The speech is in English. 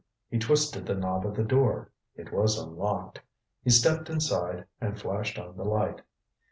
He twisted the knob of the door it was unlocked. He stepped inside and flashed on the light.